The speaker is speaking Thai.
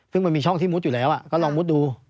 ซึ่งมันมีช่องที่มุดอยู่แล้วก็ลองมุดดู